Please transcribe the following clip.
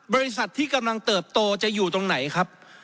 บริษัทที่กำลังเติบโตจะอยู่ตรงไหนครับ